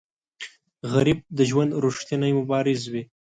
غریب د ژوند ریښتینی مبارز وي